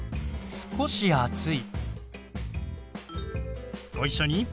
少し暑い。